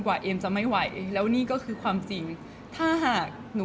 เพราะว่าสิ่งเหล่านี้มันเป็นสิ่งที่ไม่มีพยาน